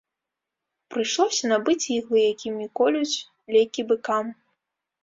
Прыйшлося набыць іглы, якімі колюць лекі быкам.